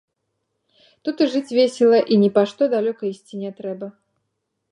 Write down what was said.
Тут і жыць весела і ні па што далёка ісці не трэба.